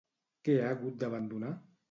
Què ha hagut d'abandonar?